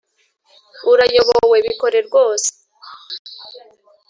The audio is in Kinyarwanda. urayobowe bikore rwose